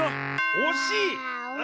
おしい？